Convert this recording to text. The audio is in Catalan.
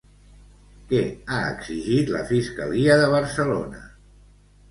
Què ha exigit la Fiscalia de Barcelona?